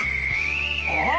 あっ！